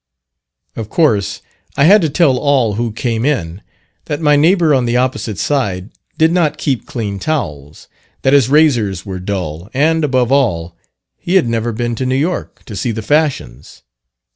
Of course, I had to tell all who came in that my neighbour on the opposite side did not keep clean towels, that his razors were dull, and, above all, he had never been to New York to see the fashions.